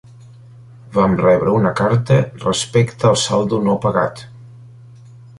Vam rebre una carta respecte al saldo no pagat.